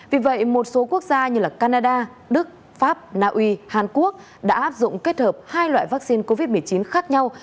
vì vậy một số quốc gia như canada đức pháp naui hàn quốc đã áp dụng kết hợp hai loại vaccine covid một mươi chín khác nhau